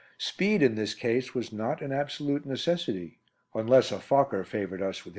Speed in this case was not an absolute necessity, unless a Fokker favoured us with his attentions.